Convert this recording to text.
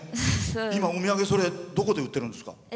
今、お土産どこで売ってるんですか。